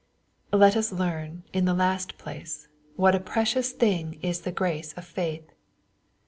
Let us learn, in the last place, what a precious thing is the grace of faith.